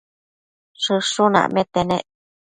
Shëshun acmete nec